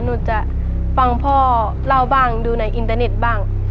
หนูจะฟังพ่อเล่าบ้างดูในอินเตอร์เน็ตบ้าง